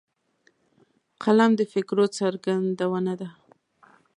قلم د فکرو څرګندونه ده